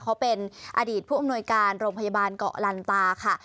เขาเป็นอดีตผู้อำนวยการโรงพยาบาลเกาะลันตาค่ะ